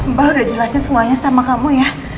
mbak udah jelasin semuanya sama kamu ya